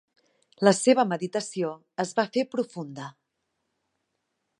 La seva meditació es va fer profunda.